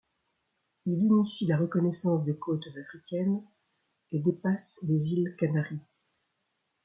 Il initie la reconnaissance des côtes africaines et dépasse les îles Canaries.